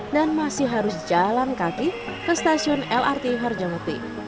dan masih harus jalan kaki ke stasiun lrt harjamukti